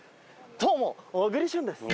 どうも小栗旬です